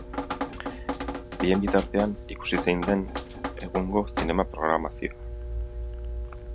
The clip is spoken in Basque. Bien bitartean, ikusi zein den egungo zinema-programazioa!